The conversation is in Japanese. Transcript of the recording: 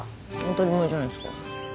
当たり前じゃないですか。